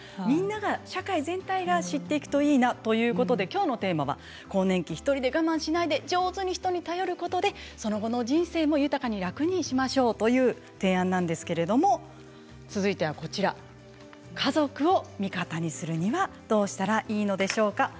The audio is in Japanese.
みんなが、社会全体が知っておけばいいなということできょうのテーマは更年期１人で我慢しないで上手に人に頼ることでその後の人生も楽にしましょうという提案なんですけれども続いては、家族を味方にするにはどうしたらいいのでしょうか。